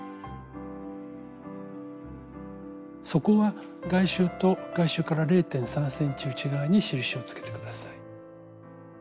底は外周と外周から０．３ｃｍ内側に印をつけて下さい。